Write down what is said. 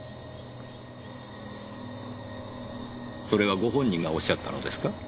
それはご本人がおっしゃったのですか？